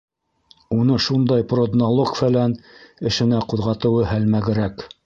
Уны шундай продналог-фәлән эшенә ҡуҙғатыуы һәлмәгерәк.